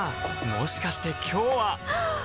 もしかして今日ははっ！